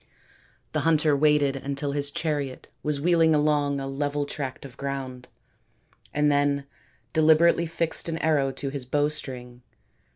The hunter waited until his chariot was wheeling along a level tract of ground and then deliberately fixed an arrow to his bowstring.